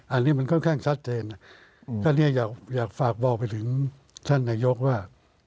อันนี้มันค่อนข้างชัดเจนก็อยากฝากบอกไปถึงท่านนายกว่า